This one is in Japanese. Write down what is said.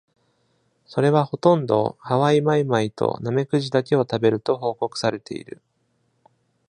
それはほとんどハワイマイマイとナメクジだけを食べると報告されている。